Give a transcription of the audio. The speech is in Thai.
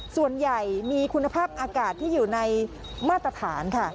ส่วนใหญ่มีคุณภาพอากาศที่อยู่ในมาตรฐานค่ะ